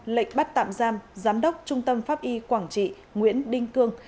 lệnh bắt tạm giam giám đốc trung tâm pháp y quảng trị nguyễn đinh cương